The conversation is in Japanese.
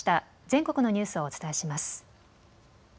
全国のニュースをお伝えします。